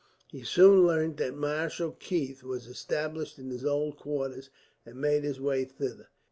He soon learnt that Marshal Keith was established in his old quarters, and made his way thither.